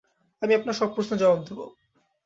আমি আপনার সব প্রশ্নের জবাব দেব।